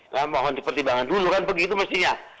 mohon dipertimbangkan dulu kan begitu mestinya